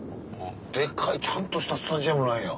デッカいちゃんとしたスタジアムなんや。